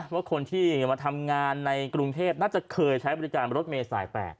ว่าคนที่มาทำงานในกรุงเทพน่าจะเคยใช้บริการรถเมย์สาย๘